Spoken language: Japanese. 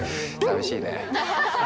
寂しいね。